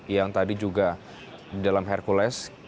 yang tadi juga di dalam hercules